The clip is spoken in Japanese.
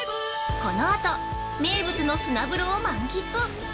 このあと、名物の砂風呂を満喫！